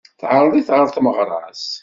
Teɛreḍ-it ɣer tmeɣra-s.